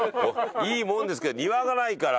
いいものですけど庭がないから。